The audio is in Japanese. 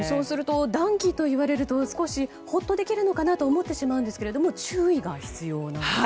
暖気といわれると少しホッとできるのかなと思ってしまうんですが注意が必要なんですね。